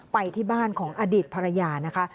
ไปที่บ้านของอดีตภรรยานะคะ